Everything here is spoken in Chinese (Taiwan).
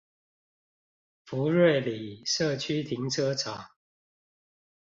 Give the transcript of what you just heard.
福瑞里社區停車場